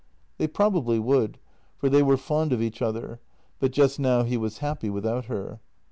They probably would, for they were fond of each other, but just now he was happy without her.